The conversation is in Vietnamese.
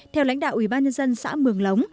theo lãnh đạo ủy ban nhân dân xã mường lống